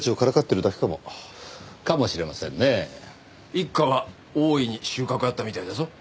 一課は大いに収穫あったみたいだぞ。